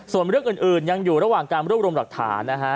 ส่วนเรื่องอื่นยังอยู่ระหว่างการรวบรวมหลักฐานนะฮะ